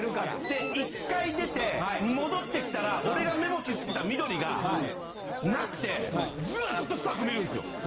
で１回出て戻ってきたら俺が目星付けた緑がなくてずっとスタッフ見るんですよ。